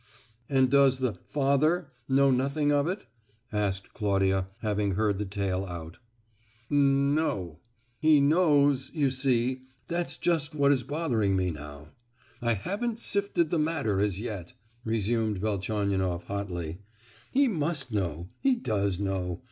"And does the 'father' know nothing of it?" asked Claudia, having heard the tale out. "N—no; he knows—you see, that's just what is bothering me now. I haven't sifted the matter as yet," resumed Velchaninoff hotly. "He must know—he does know.